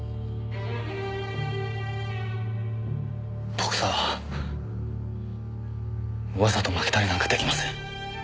ボクサーはわざと負けたりなんか出来ません。